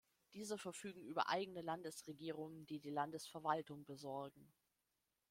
Diese verfügen über eigene Landesregierungen, die die Landesverwaltung besorgen.